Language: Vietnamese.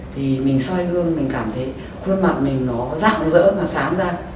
thì mình soi gương mình cảm thấy khuôn mặt mình nó rạng rỡ mà sáng ra